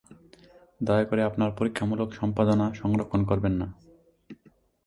দয়া করে আপনার পরীক্ষামূলক সম্পাদনা সংরক্ষণ করবেন না।